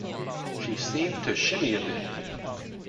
She seemed to shimmy a bit.